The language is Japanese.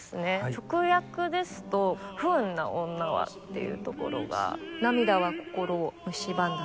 直訳ですと「不運な女は」っていうところが「涙は心を蝕んだ毒薬」。